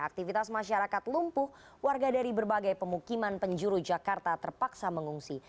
aktivitas masyarakat lumpuh warga dari berbagai pemukiman penjuru jakarta terpaksa mengungsi